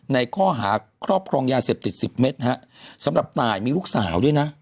ในข้อหาครอบครองยา๗๐เมตรครับสำหรับตายมีลูกสาวด้วยนะ